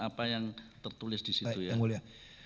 apa yang tertulis di situ ya